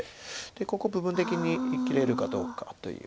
ここ部分的に生きれるかどうかという。